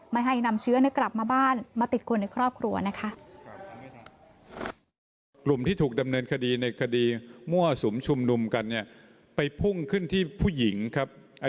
ไม่ให้นำเชื้อกลับมาบ้านมาติดคนในครอบครัวนะคะ